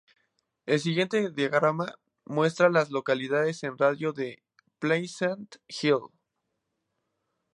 El siguiente diagrama muestra a las localidades en un radio de de Pleasant Hill.